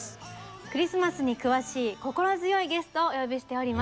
クリスマスに詳しい心強いゲストをお呼びしております。